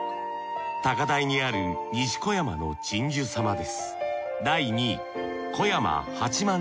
高台にある西小山の鎮守様です